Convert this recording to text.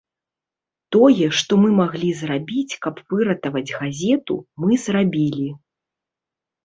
Тое, што мы маглі зрабіць, каб выратаваць газету, мы зрабілі.